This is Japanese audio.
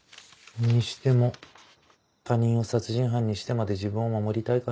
にしても他人を殺人犯にしてまで自分を守りたいかね？